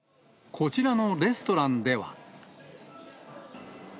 こちらのレストランでは。